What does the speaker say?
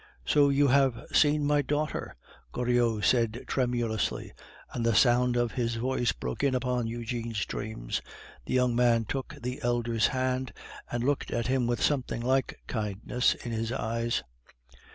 "So you have seen my daughter?" Goriot spoke tremulously, and the sound of his voice broke in upon Eugene's dreams. The young man took the elder's hand, and looked at him with something like kindness in his eyes.